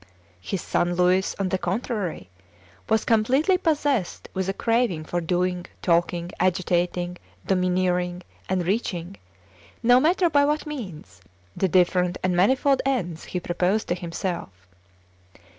His son Louis, on the contrary, was completely possessed with a craving for doing, talking, agitating, domineering, and reaching, no matter by what means, the different and manifold ends he proposed to himself.